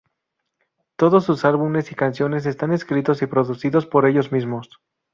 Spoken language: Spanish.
Todos sus álbumes y canciones están escritos y producidos por ellos mismos.